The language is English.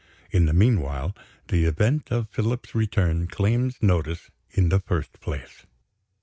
In the meanwhile, the event of Philip's return claims notice in the first place.